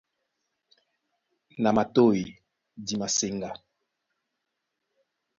Na matôy di maseŋgá.